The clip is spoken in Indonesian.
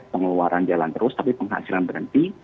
pengeluaran jalan terus tapi penghasilan berhenti